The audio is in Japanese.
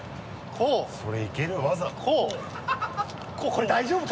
これ大丈夫か？